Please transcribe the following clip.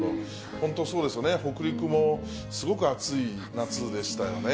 本当そうですよね、北陸もすごく暑い夏でしたよね。